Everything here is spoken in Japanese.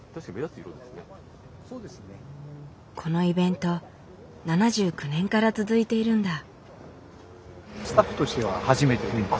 このイベント７９年から続いているんだ。